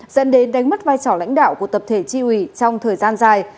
dẫn đến đánh mất vai trò lãnh đạo của tập thể tri ủy trong thời gian dài